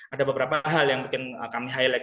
ada beberapa hal yang mungkin kami highlight